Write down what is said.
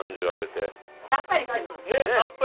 さっぱりしてます。